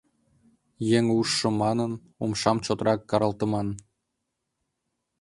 Еҥ ужшо манын, умшам чотрак каралтыман.